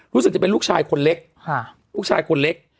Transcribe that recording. รู้สึกจะเป็นลูกชายคนเล็กลูกชายคนเล็ก